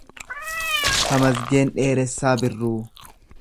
Tamasgeen Dheeressaa Birruu